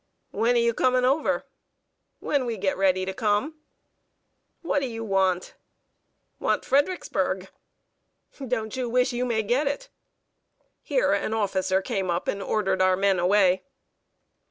"When are you coming over?" "When we get ready to come." "What do you want?" "Want Fredericksburg." "Don't you wish you may get it?" Here an officer came up and ordered our men away.